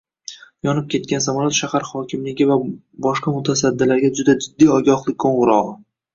Yonib ketgan samolyot shahar hokimligi va boshqa mutasaddilariga juda jiddiy ogohlik qoʻngʻirogʻi.